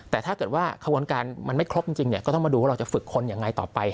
แต่ถ้าเกิดว่าขบวนการมันไม่ครบจริงก็ต้องมาดูว่าเราจะฝึกคนยังไงต่อไป